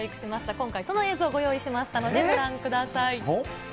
今回、その映像ご用意しましたのでご覧ください。